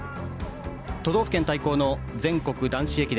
都道府県対抗の全国男子駅伝。